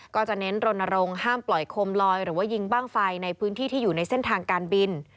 ก็จะเน้นรณรงค์ห้ามปล่อยโคมลอยหรือว่ายิงบ้างไฟในพื้นที่ที่อยู่ในเส้นทางการบิน